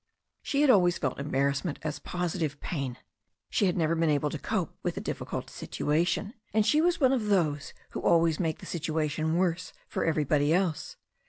She had always felt embarrassment as positive pain. She had never been able to cope with a difficult situation. And she was one of those who always make the situation worse for everybody else.